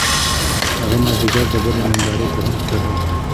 هغه مازیګر د بلۍ نندارې ته هم تللو